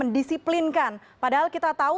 disiplinkan padahal kita tahu